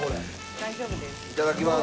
大丈夫です。